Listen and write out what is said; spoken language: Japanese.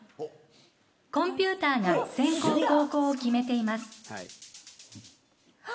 コンピューターが先攻、後攻を決めています。